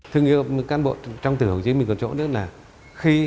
thương yêu cán bộ trong tử hồ chí minh của chỗ nước này